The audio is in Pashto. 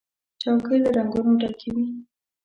چوکۍ له رنګونو ډکې وي.